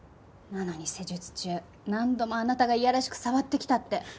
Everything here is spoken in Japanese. なのに施術中何度もあなたがいやらしく触ってきたって。